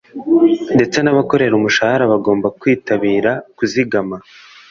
ndetse n abakorera umushahara bagomba kwitabira kuzigama